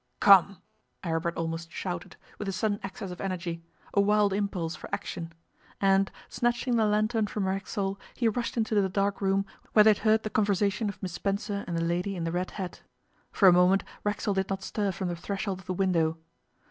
'Come,' Aribert almost shouted, with a sudden access of energy a wild impulse for action. And, snatching the lantern from Racksole, he rushed into the dark room where they had heard the conversation of Miss Spencer and the lady in the red hat. For a moment Racksole did not stir from the threshold of the window.